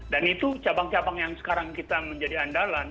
dan itu cabang cabang yang sekarang kita menjadi andalan